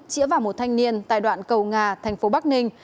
chia vào một thanh niên tại đoạn cầu nga tp bắc ninh